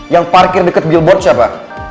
yang parkir dekat billboard siapa